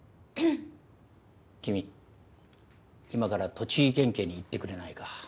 君今から栃木県警に行ってくれないか？